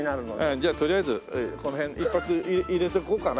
じゃあとりあえずこの辺一発入れておこうかね。